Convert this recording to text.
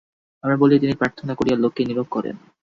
আমরা বলি, তিনি প্রার্থনা করিয়া লোককে নীরোগ করেন।